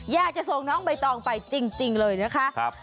อยากจะส่งน้องใบตองไปจริงเลยนะคะ